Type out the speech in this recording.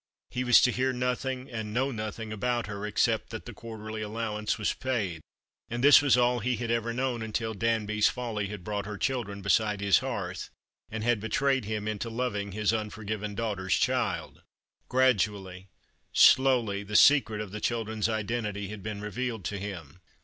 He was to hear nothing and know nothing about her, except that the quarterly allowance was paid. And this was all he had ever known until Danby's folly had brought her children besid§ his hearth, and had betraved him into loving his unforgiven daughter's The Christmas Hirelings. 245 child. Gradually, slowly, the secret of the children's identity had been revealed to him.